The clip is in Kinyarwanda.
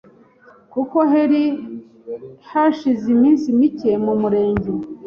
kuko heri heshize iminsi mike mu Murenge